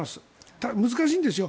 ただ、難しいんです